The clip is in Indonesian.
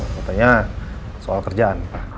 katanya soal kerjaan